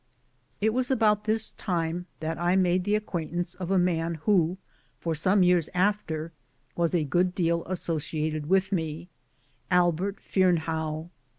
It was about this time that I made the acquaint ance of a man who for some years after was a good deal associated with me Albert Fearnehough.